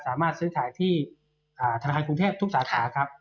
สามารถซื้อขายที่ธนาคารกรุงเทพทุกสาขาครับ